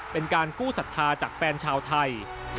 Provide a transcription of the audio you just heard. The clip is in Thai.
เป็นการกู้ศรัทธาจากแฟนชาวไทย